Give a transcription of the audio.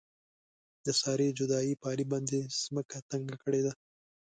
د سارې جدایۍ په علي باندې ځمکه تنګه کړې ده.